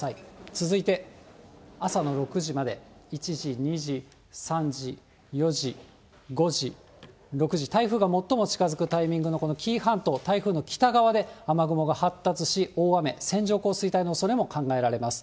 続いて朝の６時まで、１時、２時、３時、４時、５時、６時、台風が最も近づくタイミングのこの紀伊半島、台風の北側で雨雲が発達し、大雨、線状降水帯のおそれも考えられます。